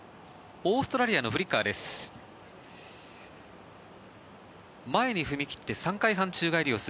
オーストラリアのフリッカーです。